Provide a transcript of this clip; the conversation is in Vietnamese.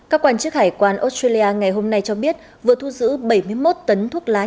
các quan chức hải quan australia ngày hôm nay cho biết vừa thu giữ bảy mươi một tấn thuốc lá